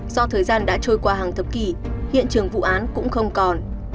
do thời gian đã trôi qua hàng thập kỷ hiện trường vụ án cũng không còn